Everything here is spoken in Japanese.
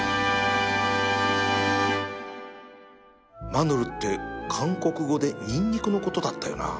マヌルって韓国語でニンニクのことだったよな